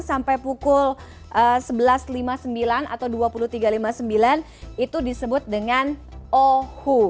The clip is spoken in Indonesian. sampai pukul sebelas lima puluh sembilan atau dua puluh tiga lima puluh sembilan itu disebut dengan ohu